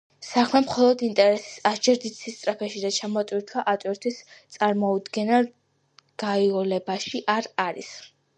საქმე მხოლოდ ინტერნეტის ასჯერ დიდ სისწრაფეში და ჩამოტვირთვა-ატვირთვის წარმოუდგენელ გაიოლებაში არ არის.